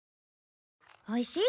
おいしい？